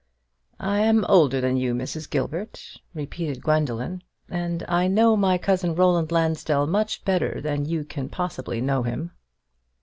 "I am older than you, Mrs. Gilbert," repeated Gwendoline, "and I know my cousin Roland Lansdell much better than you can possibly know him."